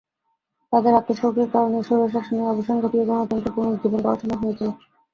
তাঁদের আত্মোৎসর্গের কারণে স্বৈরশাসনের অবসান ঘটিয়ে গণতন্ত্র পুনরুজ্জীবন করা সম্ভব হয়েছিল।